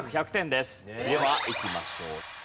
ではいきましょう。